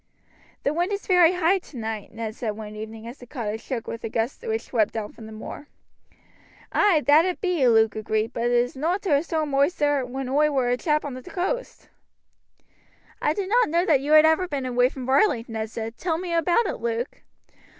"The wind is very high tonight," Ned said one evening as the cottage shook with a gust which swept down from the moor. "Ay, that it be," Luke agreed; "but it is nowt to a storm oi saw when oi war a young chap on t' coast!" "I did not know you had ever been away from Varley," Ned said, "tell me about it, Luke."